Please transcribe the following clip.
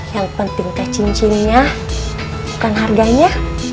yang penting teh cincinnya bukan harganya